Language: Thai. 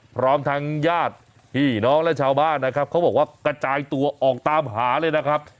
พร้อมทั้งญาติพี่น้องและชาวบ้านนะครับเขาบอกว่ากระจายตัวออกตามหาเลยนะครับ